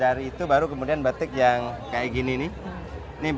dari itu baru kemudian batik yang seperti ini nih